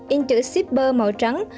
in chữ sipr màu trắng